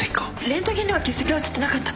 レントゲンには結石は写ってなかった。